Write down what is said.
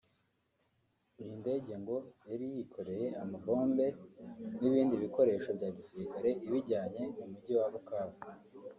Iyi ndege ngo yari yikoreye amabombe n’ ibindi bikoresho bya gisirikare ibijyanye mu mugi wa Bukavu